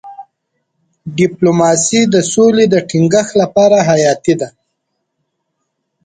ډيپلوماسي د سولې د ټینګښت لپاره حیاتي ده.